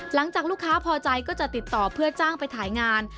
หลังจากลูกค้าพอใจก็จะติดต่อเพื่อจ้างไปถ่ายงาน